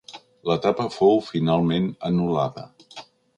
L'etapa fou finalment anul·lada.